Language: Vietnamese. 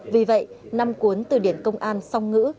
vì vậy năm cuốn từ điển công an song ngữ